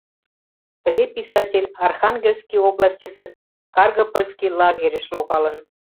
Тыге писатель Архангельский областьысе Каргопольский лагерьыш логалын.